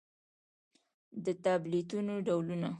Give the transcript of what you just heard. د ټابليټنو ډولونه: